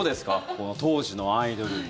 この当時のアイドルの。